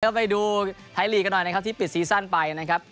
ไปดูไทยลีกกันหน่อยนะครับที่ปิดซีซั่นไปนะครับ